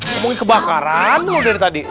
ngomongin kebakaran mau dari tadi